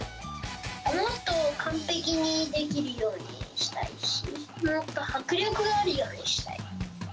もっと完璧にできるようにしたいし、もっと迫力があるようにしたい。